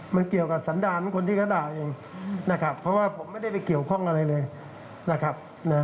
มันเกี่ยวกับสันดารของคนที่เขาด่าเองนะครับเพราะว่าผมไม่ได้ไปเกี่ยวข้องอะไรเลยนะครับ